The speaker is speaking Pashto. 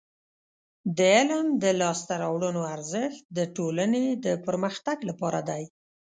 د علم د لاسته راوړنو ارزښت د ټولنې د پرمختګ لپاره دی.